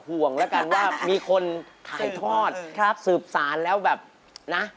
ห่วงแล้วกันว่ามีคนถ่ายทอดสืบสารแล้วแบบนะ